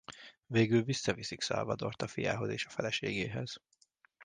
Végül visszaviszik Salvadort a fiához és a feleségéhez.